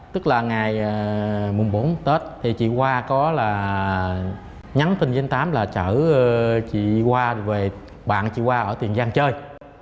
tức là ngày bốn tết thì chị khoa có là nhắn tin với anh tám là chở chị khoa về bạn chị khoa ở tuyền giang chơi